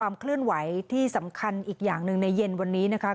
เคลื่อนไหวที่สำคัญอีกอย่างหนึ่งในเย็นวันนี้นะคะ